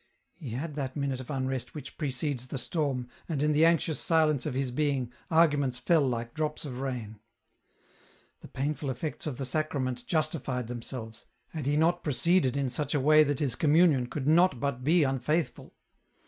He had that minute of unrest which precedes the storm, and in the anxious silence of his being, arguments fell like drops of rain. The painful effects of the Sacrament justified themselves, had he not proceeded in such a way that his communion could not but be unfaithful